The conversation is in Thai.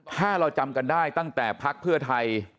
ถ้าเราจำกันได้ตั้งแต่พักเพื่อไทย